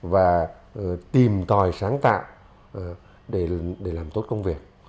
và tìm tòi sáng tạo để làm tốt công việc